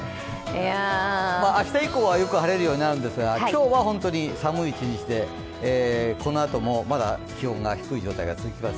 明日以降はよく晴れるようになるんですが、今日は本当に寒い一日で、このあともまだ気温が低い状態が続きます。